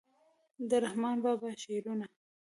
د رحمان بابا شعرونه